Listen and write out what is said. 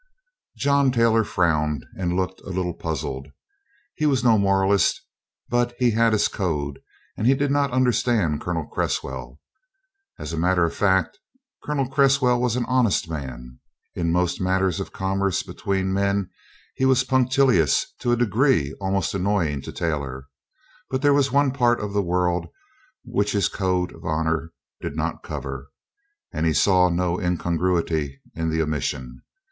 John Taylor frowned and looked a little puzzled. He was no moralist, but he had his code and he did not understand Colonel Cresswell. As a matter of fact, Colonel Cresswell was an honest man. In most matters of commerce between men he was punctilious to a degree almost annoying to Taylor. But there was one part of the world which his code of honor did not cover, and he saw no incongruity in the omission.